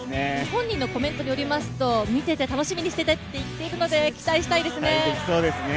本人のコメントによりますと見ていて楽しみにしていてねということなので期待したいですね。